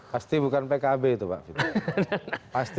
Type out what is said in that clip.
pasti bukan pkb itu pak